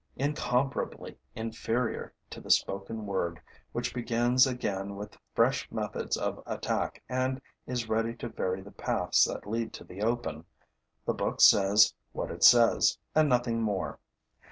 Incomparably inferior to the spoken word, which begins again with fresh methods of attack and is ready to vary the paths that lead to the open, the book says what it says and nothing more.